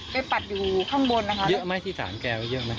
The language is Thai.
ไปปัดอยู่ข้างบนนะฮะเยอะไหมที่สารแกว่าเยอะไหมเยอะค่ะเยอะ